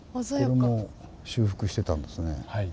これも修復してたんですね。